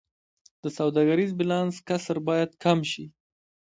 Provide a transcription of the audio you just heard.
د سوداګریز بیلانس کسر باید کم شي